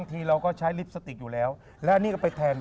ทีเราก็ใช้ลิปสติกอยู่แล้วแล้วอันนี้ก็ไปแทน